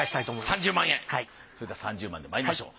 それでは３０万でまいりましょう。